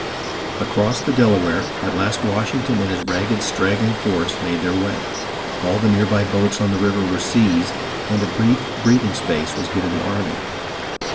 Across the Delaware at last Washington and his ragged straggling force made their way, all the near by boats on the river were seized, and a brief breathing space was given the army.